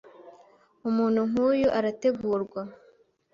Umuntu nk’uyu arategurwa,